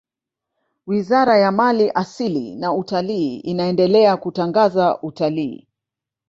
wizara ya mali asili na utalii inaendelea kutangaza utalii